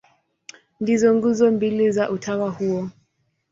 Ndizo nguzo mbili za utawa huo.